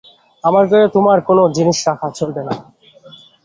আমার ঘরে তোমার কোনো জিনিস রাখা চলবে না।